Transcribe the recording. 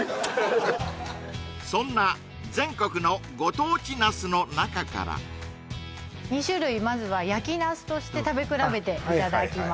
そんな全国のご当地ナスの中からまずは焼きナスとして食べ比べていただきます